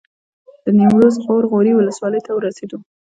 د نیمروز غور غوري ولسوالۍ ته ورسېدو.